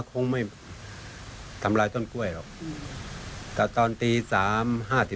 คิดว่าเอ๊ะต้นกล้วยใครมาตัด